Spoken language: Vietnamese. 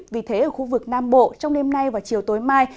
vì thế ở khu vực nam bộ trong đêm nay và chiều tối mai